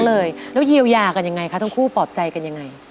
แล้วเยียวยากันยังไงคะทั้งคู่ปลอบใจกันยังไง